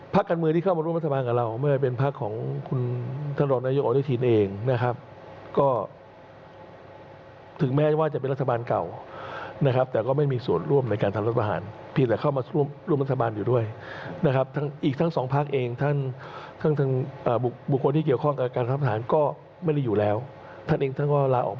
ภาคการเมืองที่เข้ามาร่วมรัฐบาลกับเราไม่ได้เป็นภาคของบุคคลท่านดอนนายก